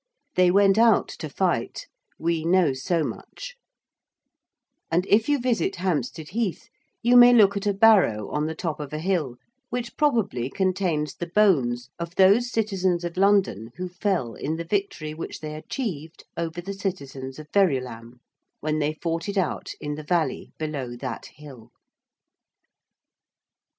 They went out to fight, we know so much; and if you visit Hampstead Heath you may look at a barrow on the top of a hill which probably contains the bones of those citizens of London who fell in the victory which they achieved over the citizens of Verulam when they fought it out in the valley below that hill.